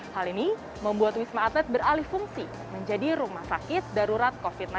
hal ini membuat wisma atlet beralih fungsi menjadi rumah sakit darurat covid sembilan belas